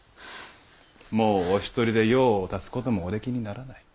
もうお一人で用を足すこともおできにならない。